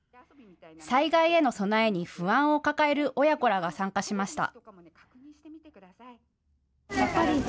災害への備えに不安を抱える親子らが参加しました。